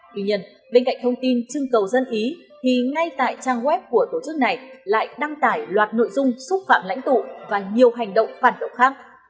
tuy nhiên bên cạnh thông tin trưng cầu dân phí thì ngay tại trang web của tổ chức này lại đăng tải loạt nội dung xúc phạm lãnh tụ và nhiều hành động phản động khác